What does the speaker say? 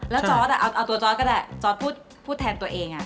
แล้วจอสอะเอาตัวจอสก็ได้จอสพูดแทนตัวเองอะ